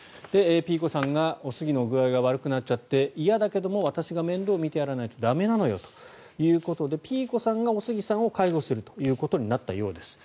ピーコさんがおすぎの具合が悪くなっちゃって嫌だけども私が面倒見てやらないと駄目なのよということでピーコさんがおすぎさんを介護するということになったようです。